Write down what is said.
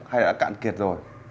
hay đã cạn kiệt rồi